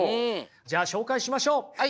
じゃあ紹介しましょう。